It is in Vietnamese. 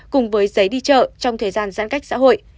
cùng với giấy đi chợ trong thời gian giãn cách xã hội